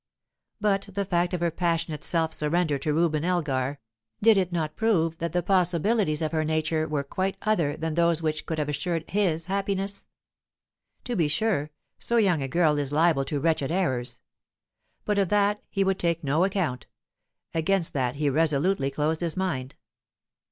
But the fact of her passionate self surrender to Reuben Elgar, did it not prove that the possibilities of her nature were quite other than those which could have assured his happiness? To be sure, so young a girl is liable to wretched errors but of that he would take no account; against that he resolutely closed his mind.